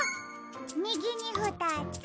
みぎにふたつ。